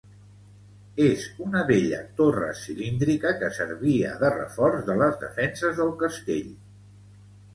És una bella torre cilíndrica que servia de reforç de les defenses del castell.